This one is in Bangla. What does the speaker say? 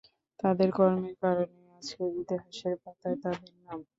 তাদের কর্মের কারণেই আজকে ইতিহাসের পাতায় তাদের নাম।